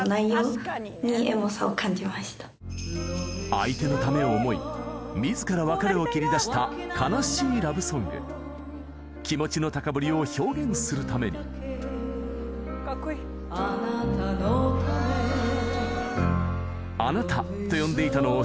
・相手のためを思い自ら別れを切り出した悲しいラブソング気持ちの高ぶりを表現するためにあえて